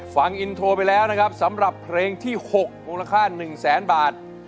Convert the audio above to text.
ฟังอินโทรไปแล้วนะครับสำหรับเพลงที่๖มูลค่า๑แสนบาท